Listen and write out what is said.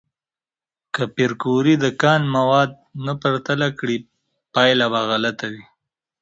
که پېیر کوري د کان مواد نه پرتله کړي، پایله به غلطه وي.